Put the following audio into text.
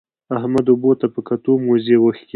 احمد اوبو ته په کتو؛ موزې وکښې.